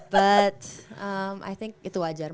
but i think itu wajar